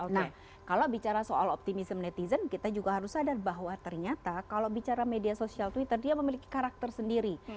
nah kalau bicara soal optimism netizen kita juga harus sadar bahwa ternyata kalau bicara media sosial twitter dia memiliki karakter sendiri